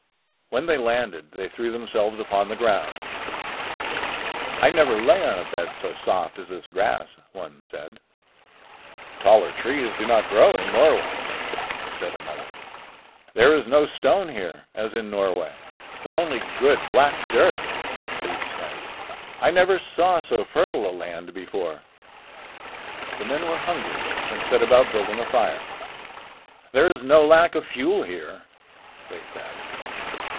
When they landed they threw themselves upon the ground. "I never lay on a bed so soft as this grass," one said. "Taller trees do not grow in Norway," said another. "There is no stone here as in Norway, but only good black dirt," Leif said. "I never saw so fertile a land before." The men were hungry and set about building a fire. "There is no lack of fuel here," they said.